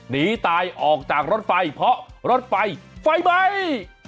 หนีตายออกจากรถไฟเพราะรถไฟไฟไหม้